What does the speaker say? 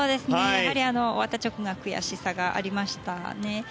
終わった直後は悔しさがありましたね。